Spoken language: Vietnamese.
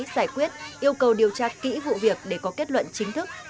cơ quan thủ lý giải quyết yêu cầu điều tra kỹ vụ việc để có kết luận chính thức